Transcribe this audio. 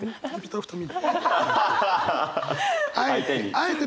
あえて。